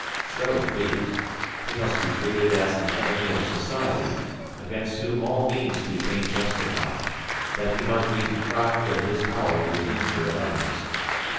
So be it! He must be treated as an enemy of society, against whom all means became justified, that he might be deprived of his power to injure others.